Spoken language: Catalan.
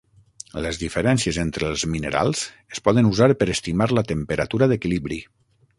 Les diferències entre els minerals es poden usar per estimar la temperatura d'equilibri.